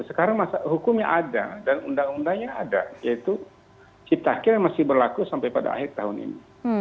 sekarang hukumnya ada dan undang undangnya ada yaitu cipta kerja yang masih berlaku sampai pada akhir tahun ini